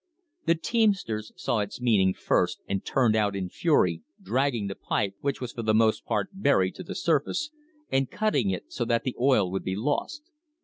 The teamsters saw its meaning first and turned out in fury, dragging the pipe, which was for the most part buried, to the surface, and cutting it so that the oil would be lost.